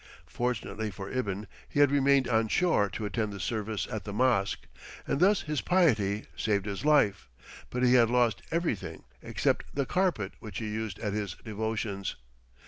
Fortunately for Ibn he had remained on shore to attend the service at the mosque, and thus his piety saved his life, but he had lost everything except "the carpet which he used at his devotions."